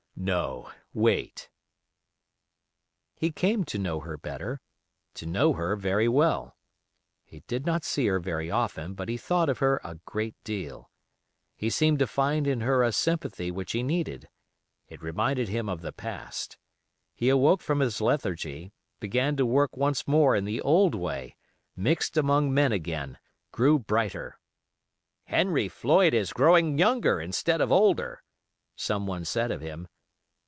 "No, wait." He came to know her better; to know her very well. He did not see her very often, but he thought of her a great deal. He seemed to find in her a sympathy which he needed. It reminded him of the past. He awoke from his lethargy; began to work once more in the old way; mixed among men again; grew brighter. "Henry Floyd is growing younger, instead of older," someone said of him.